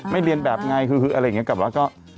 ไม่เรียนแบบไงคืออะไรอย่างนี้กลับมาก็